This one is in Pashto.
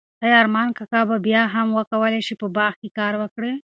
ایا ارمان کاکا به بیا هم وکولای شي په باغ کې کار وکړي؟